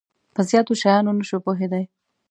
په زیاتو شیانو نه شو پوهیدای.